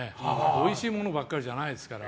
おいしいものばかりじゃないですから。